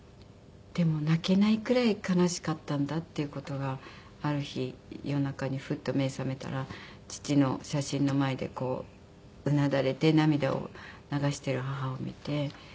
でも泣けないくらい悲しかったんだっていう事がある日夜中にフッと目覚めたら父の写真の前でこううなだれて涙を流してる母を見て。